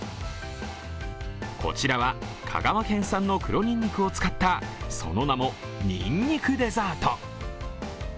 こちらは香川県産の黒にんにくを使った、その名もにんにくデザート。